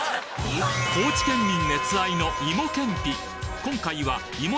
高知県民熱愛の芋けんぴ。